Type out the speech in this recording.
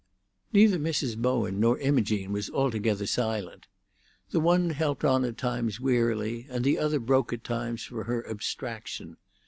Neither Mrs. Bowen nor Imogene was altogether silent. The one helped on at times wearily, and the other broke at times from her abstraction.